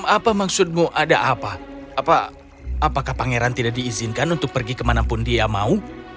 apa maksudmu ada apa apa apakah pangeran tidak diizinkan untuk pergi kemanapun dia mau